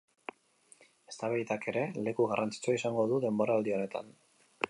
Eztabaidak ere leku garrantzitsua izango du denboraldi honetan.